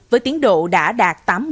với tiến độ đã đạt tám mươi